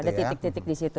ada titik titik di situ